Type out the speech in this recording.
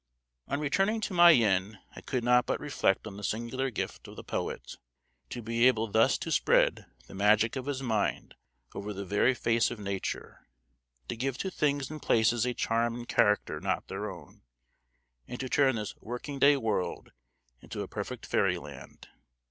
On returning to my inn I could not but reflect on the singular gift of the poet, to be able thus to spread the magic of his mind over the very face of Nature, to give to things and places a charm and character not their own, and to turn this "working day world" into a perfect fairy land.